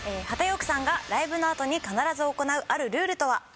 波田陽区さんがライブのあとに必ず行うあるルールとは？